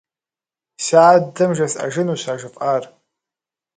Си адэм жесӏэжынущ а жыфӏар.